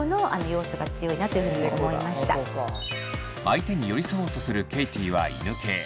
相手に寄り添おうとするケイティは犬系。